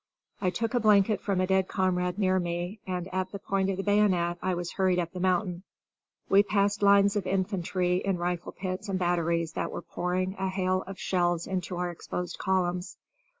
I took a blanket from a dead comrade near me, and at the point of the bayonet I was hurried up the mountain. We passed lines of infantry in rifle pits and batteries that were pouring a hail of shells into our exposed columns.